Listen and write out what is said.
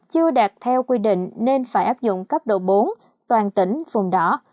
chưa đạt theo quy định nên phải áp dụng cấp độ bốn toàn tỉnh vùng đỏ